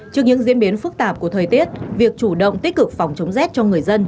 trước những diễn biến phức tạp của thời tiết việc chủ động tích cực phòng chống rét cho người dân